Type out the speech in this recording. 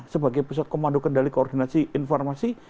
sebagai pusat komando kendali koordinasi informasi